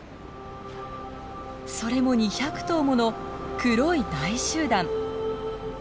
それも２００頭もの黒い大集団。